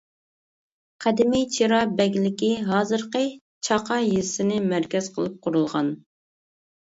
قەدىمىي چىرا بەگلىكى ھازىرقى چاقا يېزىسىنى مەركەز قىلىپ قۇرۇلغان.